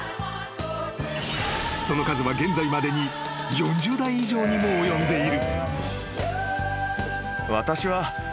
［その数は現在までに４０台以上にも及んでいる］